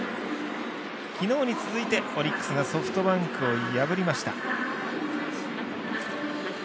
昨日に続いてオリックスがソフトバンクを破りました。